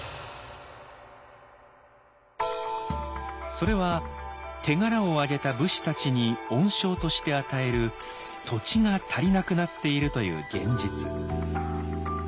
それは手柄をあげた武士たちに恩賞として与える土地が足りなくなっているという現実。